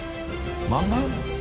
［漫画？］